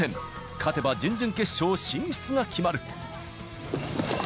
勝てば準々決勝進出が決まる。